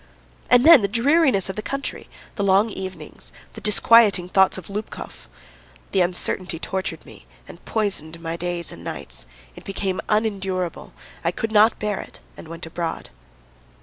And then the dreariness of the country, the long evenings, the disquieting thoughts of Lubkov. ... The uncertainty tortured me, and poisoned my days and nights; it became unendurable. I could not bear it and went abroad.